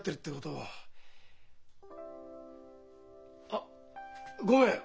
あっごめん。